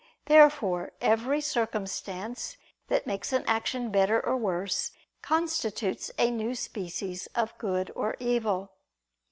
Therefore every circumstance that makes an action better or worse, constitutes a new species of good or evil.